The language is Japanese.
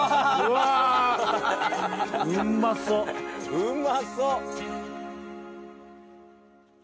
うまそっ。